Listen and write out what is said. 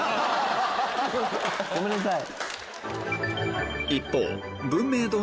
ごめんなさい。